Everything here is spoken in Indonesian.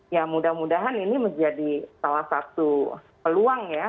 ya mudah mudahan ini menjadi salah satu peluang ya